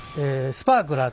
スパークラー？